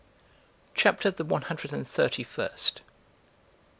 CHAPTER THE ONE HUNDRED AND THIRTY FIRST.